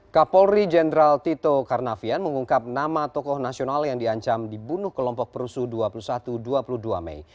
kapolri jenderal tito karnavian mengungkap nama tokoh nasional yang diancam dibunuh kelompok perusuh dua puluh satu dua puluh dua mei